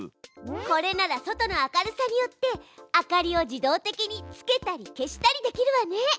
これなら外の明るさによって明かりを自動的につけたり消したりできるわね！